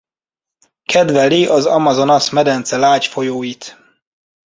Kedveli az Amazonas-medence lágy folyóit.